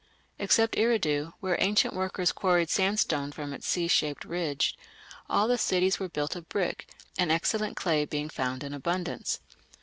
Except Eridu, where ancient workers quarried sandstone from its sea shaped ridge, all the cities were built of brick, an excellent clay being found in abundance.